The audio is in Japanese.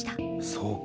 そうか。